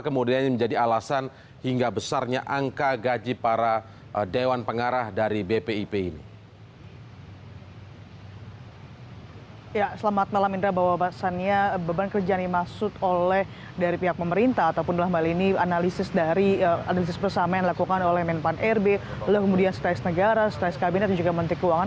kemudian setelah negara setelah kabinet juga menteri keuangan